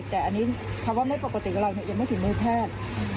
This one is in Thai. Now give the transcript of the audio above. แต่อันนี้คำว่าไม่ปกติกับเรายังไม่ถึงมือแพทย์